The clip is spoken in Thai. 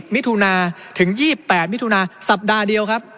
มิถุนาถึง๒๘มิถุนาสัปดาห์เดียวครับ